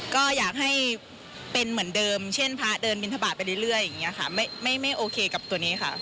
ก็อยากให้เป็นเหมือนเดิมเช่นพระเดินบินทบาทไปเรื่อยอย่างนี้ค่ะไม่โอเคกับตัวนี้ค่ะ